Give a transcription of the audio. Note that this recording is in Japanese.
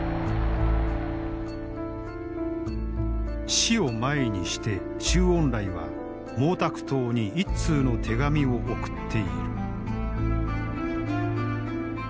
死を前にして周恩来は毛沢東に一通の手紙を送っている。